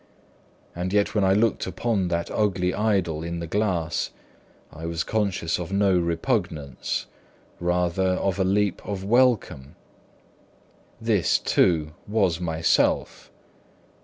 And yet when I looked upon that ugly idol in the glass, I was conscious of no repugnance, rather of a leap of welcome. This, too, was myself.